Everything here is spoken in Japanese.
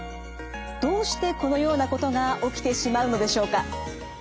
どうしてこのようなことが起きてしまうのでしょうか？